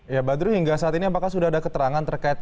ya badru hingga saat ini apakah sudah ada keterangan terkait